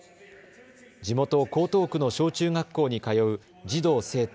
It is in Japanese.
地元、江東区の小中学校に通う児童・生徒